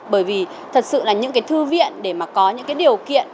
bởi vì thật sự là những cái thư viện để mà có những cái điều kiện